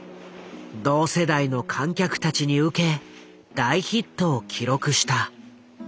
同世代の観客たちに受け大ヒットを記録した。